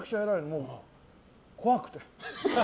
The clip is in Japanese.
もう怖くて。